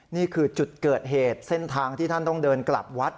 นี่คือจุดเกิดเหตุเส้นทางที่ท่านต้องเดินกลับวัด